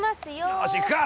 よし行くか！